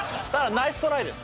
ナイストライです